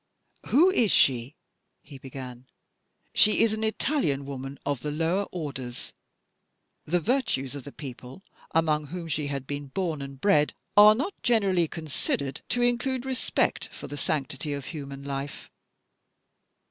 "Who is she?" he began. "She is an Italian woman of the lower orders. The virtues of the people among whom she had been born and bred, are not generally considered to include respect for the sanctity of human life.